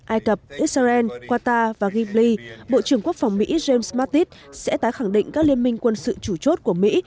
ai cập israel qatar và libbley bộ trưởng quốc phòng mỹ james mattis sẽ tái khẳng định các liên minh quân sự chủ chốt của mỹ